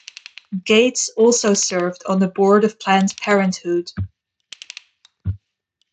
Gates also served on the board of Planned Parenthood.